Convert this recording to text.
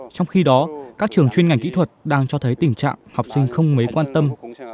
trong khi đó các trường chuyên ngành kỹ thuật đang cho thấy tình trạng học sinh không mấy quan tâm